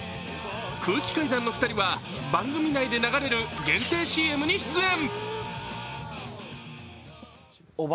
空気階段の２人は番組内で流れる限定ＣＭに出演。